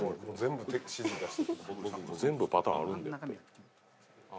全部パターンあるんで。